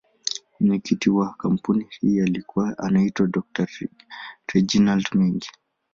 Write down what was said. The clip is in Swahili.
Mwenyekiti wa kampuni hii alikuwa anaitwa Dr.Reginald Mengi.